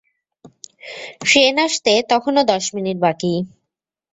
Train আসতে তখনও দশ মিনিট বাকি।